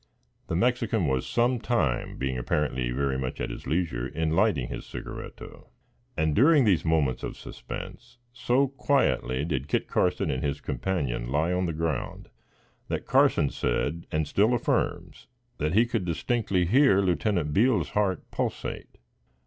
The Mexican was some time, being apparently very much at his leisure, in lighting his cigarretto; and, during these moments of suspense, so quietly did Kit Carson and his companion lie on the ground, that Carson said, and still affirms, that he could distinctly hear Lieutenant Beale's heart pulsate.